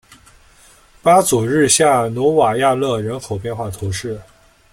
巴祖日下努瓦亚勒人口变化图示